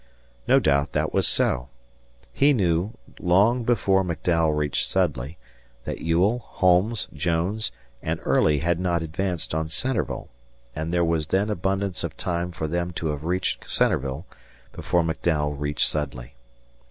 No doubt that was so. He knew, long before McDowell reached Sudley, that Ewell, Holmes, Jones, and Early had not advanced on Centreville, and there was then abundance of time for them to have reached Centreville before McDowell reached Sudley.